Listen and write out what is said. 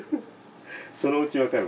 そのうち分かるわ。